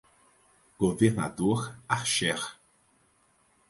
Governador Archer